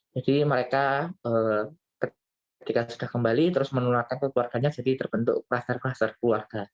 jadi mereka ketika sudah kembali terus menurutnya keluarganya jadi terbentuk kluster kluster keluarga